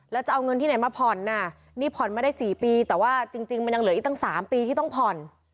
แล้วจะเอาเงินที่ไหนมาผ่อนน่ะนี่ผ่อนมาได้๔ปีแต่ว่าจริงมันยังเหลืออีกตั้ง๓ปีที่ต้องผ่อน